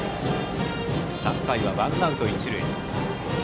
３回、ワンアウト、一塁。